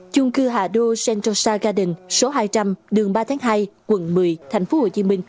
chung cư hạ đô sentosa garden số hai trăm linh đường ba tháng hai quận một mươi tp hcm